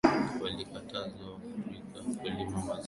walikatazwa waafrika kulima mazao ya chakula